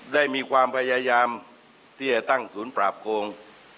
ได้มีความพยายามที่จะตั้งศูนย์ปราบโกง